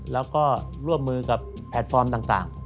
แล้วก็ร่วมมือกับแพลตฟอร์มต่าง